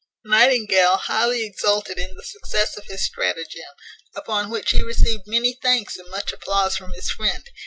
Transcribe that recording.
Nightingale highly exulted in the success of his stratagem, upon which he received many thanks and much applause from his friend.